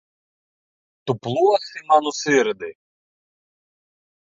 Tu plosi manu sirdi.